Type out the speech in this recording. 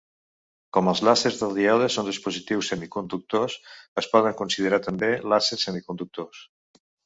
Com els làsers de díode son dispositius semiconductors, es poden considerar també làsers semiconductors.